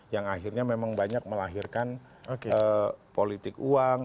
yang akhirnya memang banyak melahirkan politik uang